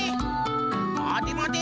まてまて！